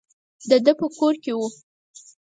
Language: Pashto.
د ده په کور کې وو.